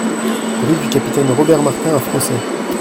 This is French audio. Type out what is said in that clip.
Rue du Capitaine Robert Martin à Frossay